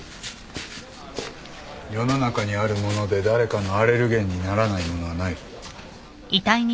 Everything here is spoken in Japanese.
世の中にあるもので誰かのアレルゲンにならないものはない。